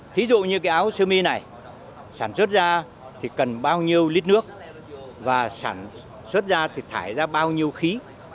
thí dụ như cái áo sơ mi này sản xuất ra thì cần bao nhiêu lít nước và sản xuất ra thì thải ra bao nhiêu khí